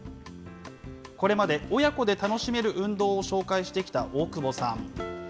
これまで親子で楽しめる運動を紹介してきた大久保さん。